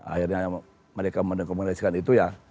akhirnya mereka mendekomendasikan itu ya